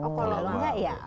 kalau gak ya oke